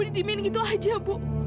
di timin gitu aja bu